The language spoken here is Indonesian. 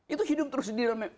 itu hidup terus di dalam